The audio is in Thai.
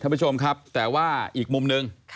ท่านผู้ชมครับแต่ว่าอีกมุมหนึ่ง